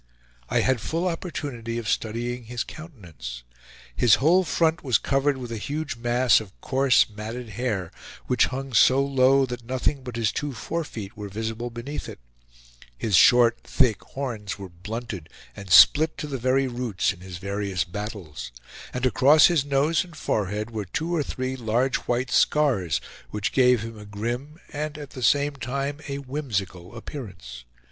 I had full opportunity of studying his countenance; his whole front was covered with a huge mass of coarse matted hair, which hung so low that nothing but his two forefeet were visible beneath it; his short thick horns were blunted and split to the very roots in his various battles, and across his nose and forehead were two or three large white scars, which gave him a grim and at the same time a whimsical appearance.